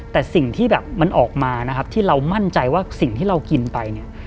แต่สิ่งที่แบบมันออกมานะครับที่เรามั่นใจว่าสิ่งที่เรากินไปเนี่ย